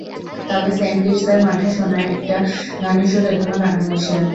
তবে সেন্ট কিটসের মাঠে শোনা একটা গানের সুর এখনো কানে ভাসে।